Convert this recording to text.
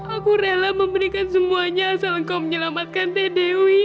aku rela memberikan semuanya asal engkau menyelamatkan teh dewi